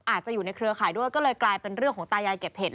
อาจจะอยู่ในเครือข่ายด้วยก็เลยกลายเป็นเรื่องของตายายเก็บเห็ด